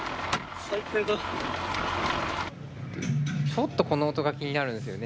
ちょっとこの音が気になるんですよね。